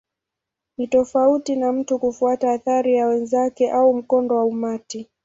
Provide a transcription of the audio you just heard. Ni tofauti na mtu kufuata athari ya wenzake au mkondo wa umati.